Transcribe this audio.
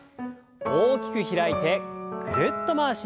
大きく開いてぐるっと回します。